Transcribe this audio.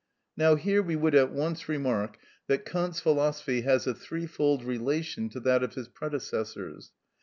Now here we would at once remark that Kant's philosophy has a threefold relation to that of his predecessors.